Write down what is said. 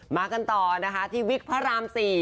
มากันต่อนะคะที่วิกพระราม๔